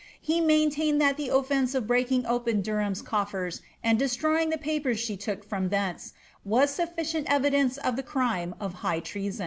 He maintained that ofience of breaking open Derham's coffers and destroying the papers ! took from thence was sufficient evidence of the crime of high trea I.